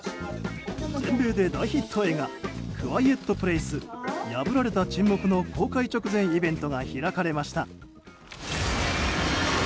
全米で大ヒット映画「クワイエット・プレイス破られた沈黙」の公開直前イベントが開かれました。